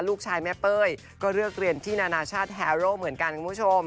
ลูกชายแม่เป้ยก็เลือกเรียนที่นานาชาติแฮโร่เหมือนกันคุณผู้ชม